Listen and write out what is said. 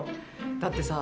だってさ。